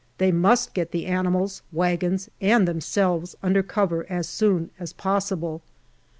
They must get the animals, wagons, and themselves under cover as soon as possible.